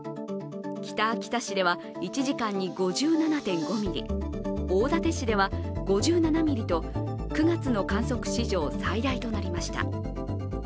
北秋田市では１時間に５７．５ミリ、大館市では５７ミリと９月の観測史上最大となりました。